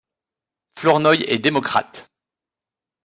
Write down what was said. Flournoy est démocrate.